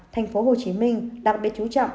tp hcm đặc biệt chú trọng